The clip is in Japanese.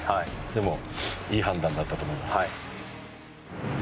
でもいい判断だったと思います。